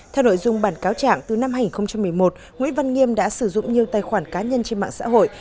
theo nội dung bản cáo trạng từ năm hai nghìn một mươi một nguyễn văn nghiêm đã sử dụng nhiều tài khoản cá nhân trên mạng xã hội